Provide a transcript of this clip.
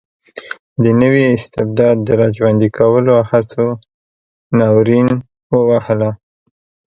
د نوي استبداد د را ژوندي کولو هڅو ناورین ووهله.